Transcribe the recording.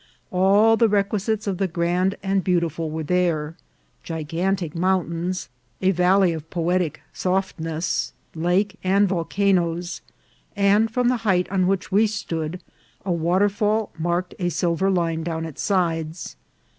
All the requisites of the grand and beautiful were there ; gigantic mountains, a valley of poetic softness, lake, and volcanoes, and from the height on which we stood a waterfall marked a sil ver line down its sides.